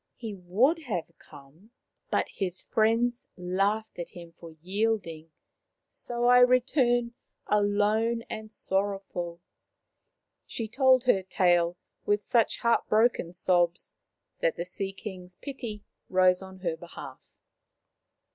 He would have come, but 65 66 Maoriland Fairy Tales his friends laughed at him for yielding, so I return alone and sorrowful." She told her tale with such heartbroken sobs that the Sea king's pity rose on her behalf.